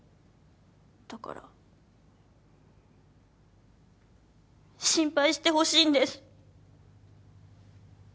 だから心配してほしいんです。